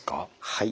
はい。